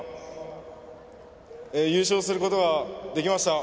優勝することができました。